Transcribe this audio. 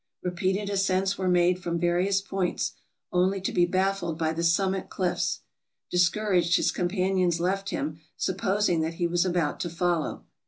Re peated ascents were made from various points, only to be baffled by the summit cliffs. Discouraged, his companions left him, supposing that he was about to follow.